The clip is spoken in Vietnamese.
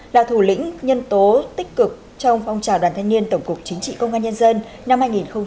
là thủ lĩnh nhân tố tích cực trong phong trào đoàn thanh niên tổng cục chính trị công an nhân dân năm hai nghìn hai mươi ba